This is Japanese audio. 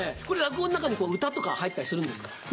これ落語の中に歌とか入ったりするんですか？